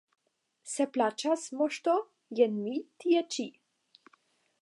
Se plaĉas, Moŝto, jen mi tie ĉi.